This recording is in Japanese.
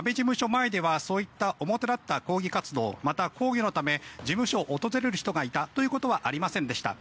前ではそういった表立った抗議活動また、抗議のため事務所を訪れる人がいたということはありませんでした。